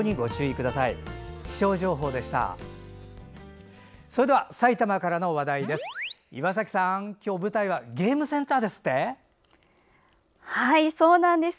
それではさいたまからの話題です。